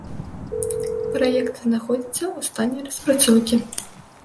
Праект знаходзіцца ў стане распрацоўкі.